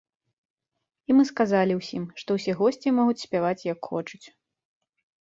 І мы сказалі ўсім, што ўсе госці могуць спяваць як хочуць.